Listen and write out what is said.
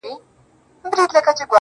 ستا دهر توري په لوستلو سره.